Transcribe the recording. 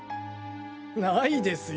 ないですよ